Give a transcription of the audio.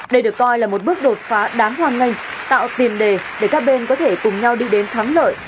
đây được coi là một bước đột phá đáng hoan nghênh tạo tiền đề để các bên có thể cùng nhau đi đến thắng lợi